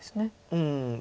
うん。